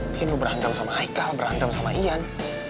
bikin lo berantem sama haikal berantem sama ian